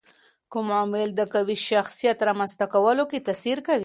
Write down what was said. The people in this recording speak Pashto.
کوم عوامل د قوي شخصيت رامنځته کولو کي تاثیر کوي؟